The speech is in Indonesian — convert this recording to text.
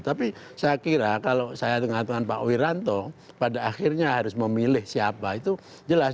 tapi saya kira kalau saya dengan pak wiranto pada akhirnya harus memilih siapa itu jelas